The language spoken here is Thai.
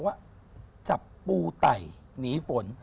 เพราะว่าจับปูไต่หนีฝน